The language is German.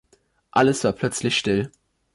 Alles war plötzlich still.